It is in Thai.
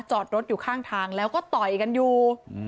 จอดรถอยู่ข้างทางแล้วก็ต่อยกันอยู่